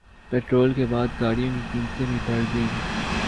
petrol کے بعد گاڑیوں کی قیمتیں بھی بڑھ گئیں